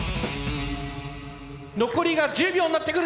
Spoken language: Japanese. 残りが１０秒になってくる。